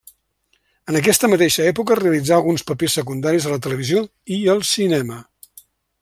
En aquesta mateixa època realitzà alguns papers secundaris a la televisió i al cinema.